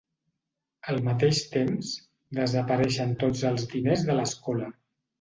Al mateix temps, desapareixen tots els diners de l'escola.